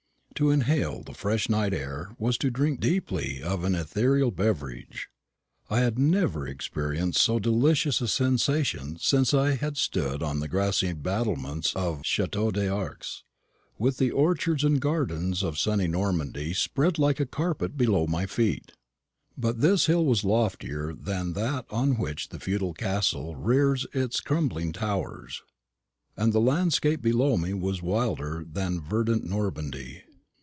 To inhale the fresh night air was to drink deeply of an ethereal beverage. I had never experienced so delicious a sensation since I had stood on the grassy battlements of the Chateau d'Arques, with the orchards and gardens of sunny Normandy spread like a carpet below my feet. But this hill was loftier than that on which the feudal castle rears its crumbling towers, and the landscape below me was wilder than verdant Normandy.